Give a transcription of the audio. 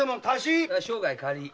生涯借り。